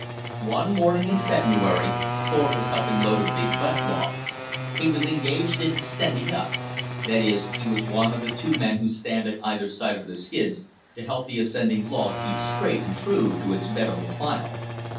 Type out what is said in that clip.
One morning in February, Thorpe was helping load a big butt log. He was engaged in "sending up"; that is, he was one of the two men who stand at either side of the skids to help the ascending log keep straight and true to its bed on the pile.